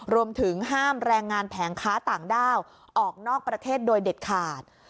รวมถึงห้ามแรงงานแผงค้าต่างด้าวออกนอกประเทศโดยเด็ดขาด